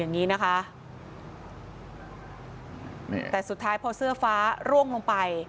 อย่างนี้นะคะนี่แต่สุดท้ายพอเสื้อฟ้าร่วงลงไป